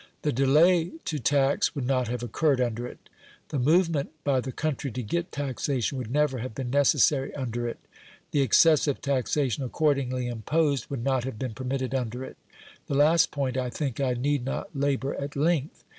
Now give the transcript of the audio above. The delay to tax would not have occurred under it: the movement by the country to get taxation would never have been necessary under it. The excessive taxation accordingly imposed would not have been permitted under it. The last point I think I need not labour at length.